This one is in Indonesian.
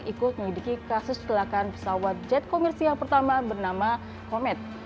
ikut menyelidiki kasus kecelakaan pesawat jet komersial pertama bernama komet